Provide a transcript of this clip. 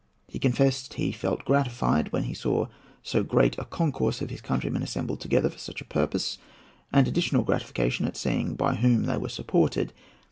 He confessed he felt gratified when he saw so great a concourse of his countrymen assembled together for such a purpose, and additional gratification at seeing by whom they were supported.